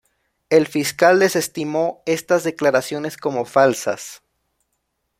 El fiscal desestimó estas declaraciones como falsas.